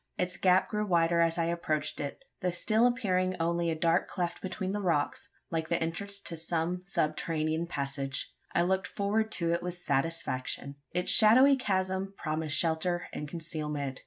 Its gap grew wider as I approached it though still appearing only a dark cleft between the rocks, like the entrance to some subterranean passage. I looked forward to it with satisfaction. Its shadowy chasm promised shelter and concealment.